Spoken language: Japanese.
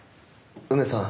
梅さん